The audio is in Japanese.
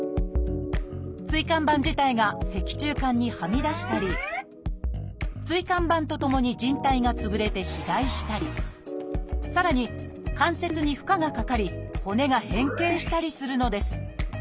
椎間板自体が脊柱管にはみ出したり椎間板とともにじん帯が潰れて肥大したりさらに関節に負荷がかかり骨が変形したりするのです。